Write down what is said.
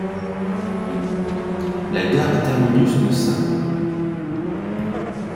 La gare terminus de St.